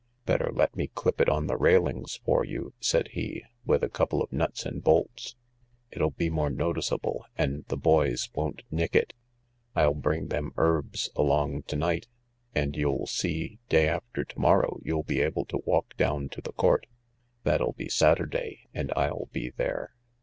"" Better let me clip it on the railings for you," said he " with a couple of nuts and bolts. It'll be more noticeable, and the boys won't nick it, I'll bring them herbs along to night, and you'll see, day after to morrow, you'll be able to walk down to the Court. That'll be Saturday, and I'll be there."